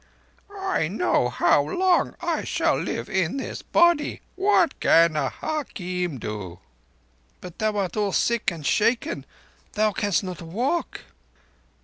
_" "I know how long I shall live in this body. What can a hakim do?" "But thou art all sick and shaken. Thou canst not walk."